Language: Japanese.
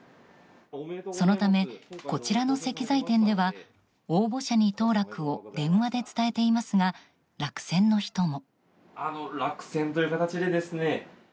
そのため、こちらの石材店では応募者に当落を電話で伝えていますが落選の人も。